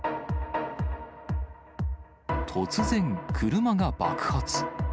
突然、車が爆発。